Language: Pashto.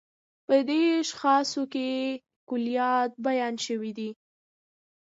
په دې شاخصو کې کُليات بیان شوي دي.